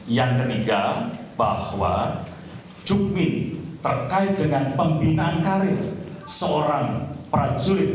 yang ketiga bahwa jukmin terkait dengan pembinaan karir seorang prajurit